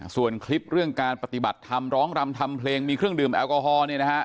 ส่วนคลิปเรื่องการปฏิบัติทำร้องรำทำเพลงมีเครื่องดื่มแอลกอฮอล์